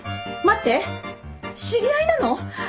待って知り合いなの？